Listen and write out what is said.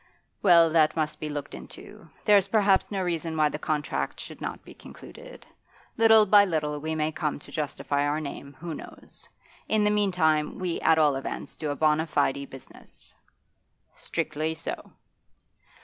'Well, that must be looked into. There's perhaps no reason why the contract should not be concluded. Little by little we may come to justify our name; who knows? In the meantime, we at all events do a bona fide business.' 'Strictly so.